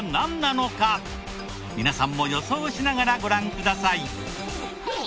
皆さんも予想しながらご覧ください。